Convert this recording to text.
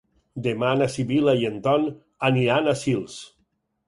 Demà na Sibil·la i en Ton aniran a Sils.